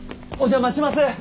お邪魔します！